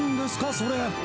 それ。